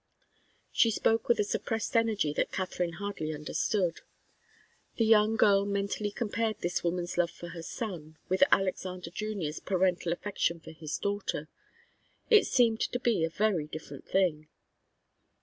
She spoke with a suppressed energy that Katharine hardly understood. The young girl mentally compared this woman's love for her son with Alexander Junior's parental affection for his daughter. It seemed to be a very different thing.